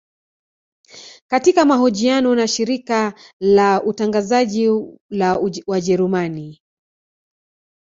Katika mahojiano na shirika la utangazaji la wajerumani